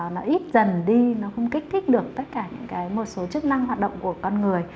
nó ít dần đi nó không kích thích được tất cả những cái một số chức năng hoạt động của con người